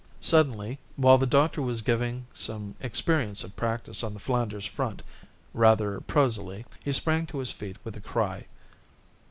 Suddenly, while the doctor was giving some experience of practice on the Flanders front, rather prosily, he sprang to his feet with a cry.